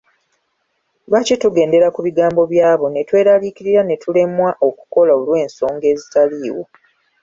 Lwaki tugendera ku bigambo by’abo ne tweraliikirira ne tulemwa okukola olw’ensonga ezitaaliwo.